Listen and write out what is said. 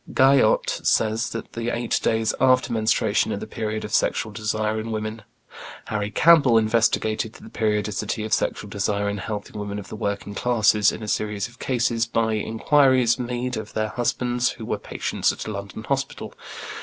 Guyot says that the eight days after menstruation are the period of sexual desire in women (Bréviaire de l'Amour Expérimentale, p. 144). Harry Campbell investigated the periodicity of sexual desire in healthy women of the working classes, in a series of cases, by inquiries made of their husbands who were patients at a London hospital.